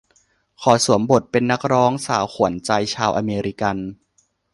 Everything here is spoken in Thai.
ขอสวมบทเป็นนักร้องสาวขวัญใจชาวอเมริกัน